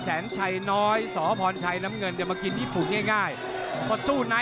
แบบนี้เข้าเหลี่ยมเข่าซ้ายเลยนะ